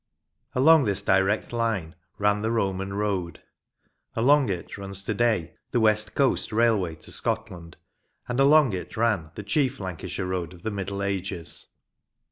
Along this direct line ran the Roman road. Along it runs to day the West Coast railway to Scotland, and along it ran the chief Lancashire road of the Middle Ages.